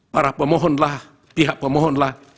para pemohonlah pihak pemohonlah